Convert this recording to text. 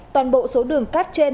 toàn bộ số đường cát trên